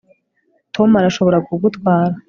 tom arashobora kugutwara